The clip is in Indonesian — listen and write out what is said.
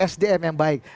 sdm yang baik